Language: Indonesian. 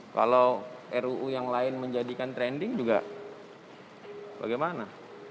kalau ruu yang lain menjadikan trending juga bagaimana